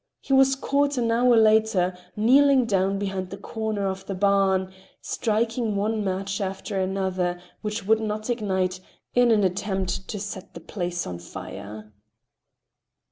He was caught an hour later, kneeling down behind the corner of the barn, striking one match after another, which would not ignite, in an attempt to set the place on fire.